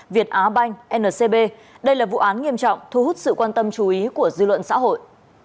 việt á banh ncb đây là vụ án nghiêm trọng thu hút sự quan tâm chú ý của dư luận xã hội